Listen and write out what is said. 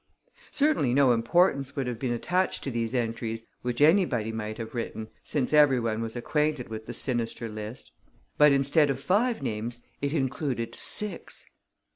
Certainly no importance would have been attached to these entries, which anybody might have written, since every one was acquainted with the sinister list. But, instead of five names, it included six!